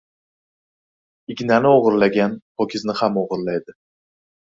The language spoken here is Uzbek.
• Ignani o‘g‘irlagan ho‘kizni ham o‘g‘irlaydi.